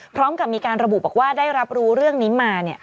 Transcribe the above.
พร้อมกับมีการระบุบอกว่าได้รับรู้เรื่องนี้มา